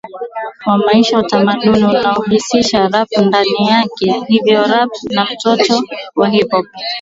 wa maisha Utamaduni unaohusisha rap ndani yake Hivyo rap ni mtoto wa hip hop